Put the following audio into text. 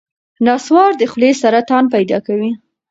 نسوار د خولې سرطان پیدا کوي.